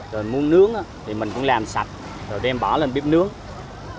rồi muốn nướng thì mình cũng làm sạch rồi đem bỏ lên bếp nướng